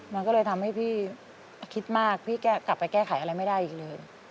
มันก็เลยทำให้พี่คิดมากพี่กลับไปแก้ไขอะไรไม่ได้อีกเลย